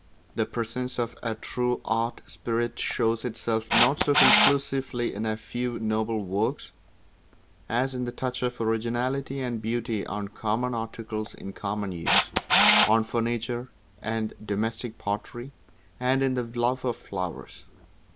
The presence of a true art spirit shows itself not so conclusively in a few noble works as in the touch of originality and beauty on common articles in common use; on furniture, and domestic pottery, and in the love of flowers.